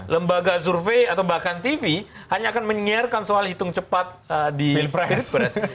lembaga survei atau bahkan tv hanya akan menyiarkan soal hitung cepat di pilpres